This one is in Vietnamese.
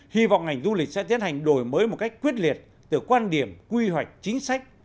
hy vọng ngành du lịch sẽ tiến hành đổi mới một cách quyết liệt từ quan điểm quy hoạch chính sách